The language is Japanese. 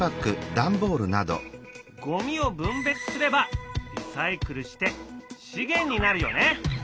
ゴミを分別すればリサイクルして資源になるよね！